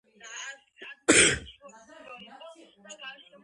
კუბიკში რომ კუბიკია, იმ კუბიკში კუბიკი დევს